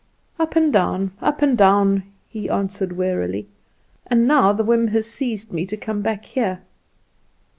"Up and down, up and down," he answered wearily; "and now the whim has seized me to come back here.